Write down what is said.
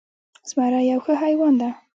زمری یو ښه حیوان ده